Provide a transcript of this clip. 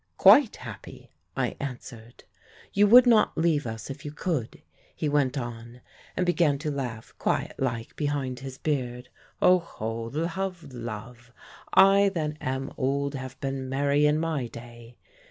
"'Quite happy,' I answered. "'You would not leave us if you could?' he went on, and began to laugh quiet like, behind his beard. 'Oho! Love, love! I that am old have been merry in my day.'